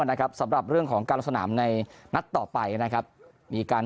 นะครับสำหรับเรื่องของการลงสนามในนัดต่อไปนะครับมีการ